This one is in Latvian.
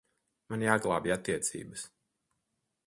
Man jāglābj attiecības.